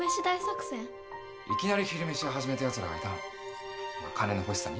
いきなり昼飯屋始めたやつらがいたのまあ金の欲しさに。